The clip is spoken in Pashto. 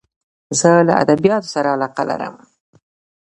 زه له ادبیاتو سره علاقه لرم.